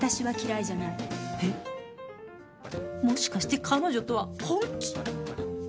えもしかして彼女とは本気？